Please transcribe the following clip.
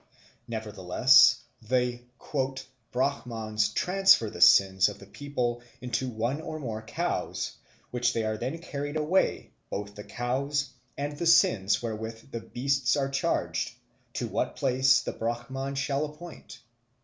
Nevertheless the "Bramans transfer the sins of the people into one or more Cows, which are then carry'd away, both the Cows and the Sins wherewith these Beasts are charged, to what place the Braman shall appoint."